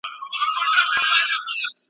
د قلمي نسخو مطالعه څېړنه پیاوړې کوي.